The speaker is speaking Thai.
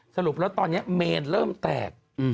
สรุปแล้วตอนนี้เมนเริ่มแตก